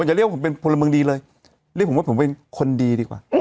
จะเรียกว่าผมเป็นพลเมืองดีเลยเรียกผมว่าผมเป็นคนดีดีกว่า